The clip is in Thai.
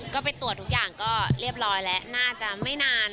ก็ไปตรวจทุกอย่างก็เรียบร้อยแล้วน่าจะไม่นาน